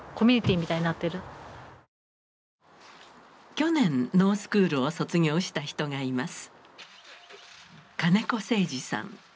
去年農スクールを卒業した人がいます。